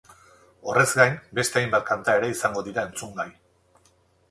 Horrez gain, beste hainbat kanta ere izango dira entzungai.